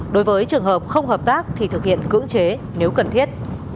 đối với trường hợp không hợp tác thì thực hiện cưỡng chế nếu cần thiết